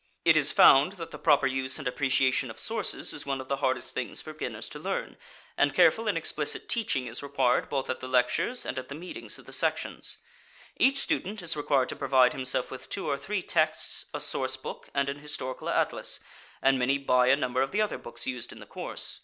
It is found that the proper use and appreciation of sources is one of the hardest things for beginners to learn, and careful and explicit teaching is required both at the lectures and at the meetings of the sections. Each student is required to provide himself with two or three texts, a source book, and an historical atlas, and many buy a number of the other books used in the course.